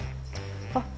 あっ。